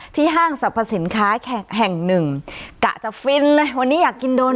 ห้างสรรพสินค้าแห่งหนึ่งกะจะฟินเลยวันนี้อยากกินโดน